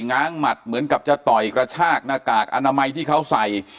ง้างหมัดเหมือนกับจะต่อยกระชากหน้ากากอนามัยที่เขาใส่